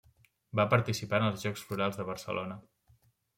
Va participar en els Jocs Florals de Barcelona.